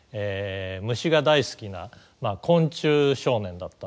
虫が大好きな昆虫少年だったんですね。